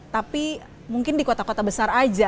tapi mungkin di kota kota besar aja